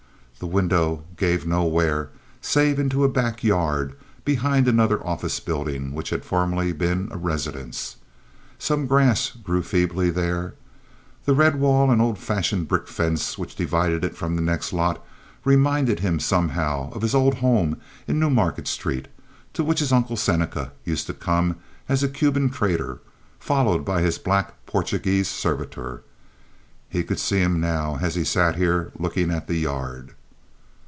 The window gave nowhere save into a back yard behind another office building which had formerly been a residence. Some grass grew feebly there. The red wall and old fashioned brick fence which divided it from the next lot reminded him somehow of his old home in New Market Street, to which his Uncle Seneca used to come as a Cuban trader followed by his black Portuguese servitor. He could see him now as he sat here looking at the yard.